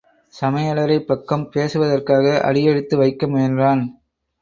சமயலறை பக்கம் போவதற்காக அடியெடுத்து வைக்க முயன்றான்.